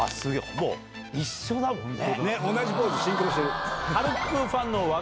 もう一緒だもんね。